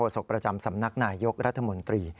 ศกประจำสำนักนายยกรัฐมนตรี